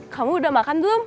kamu sudah makan belum